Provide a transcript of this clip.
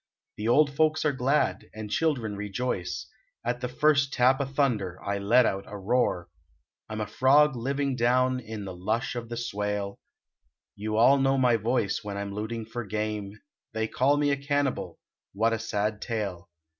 The old folks are glad and children rejoice, At the first tap o thunder. I let out a roar, I m a frog living down in the lush of the swale You all know my voice when I m looting for game They call me a cannibal : What a sad tale.